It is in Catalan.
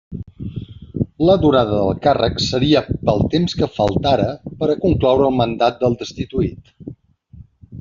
La durada del càrrec seria pel temps que faltara per a concloure el mandat del destituït.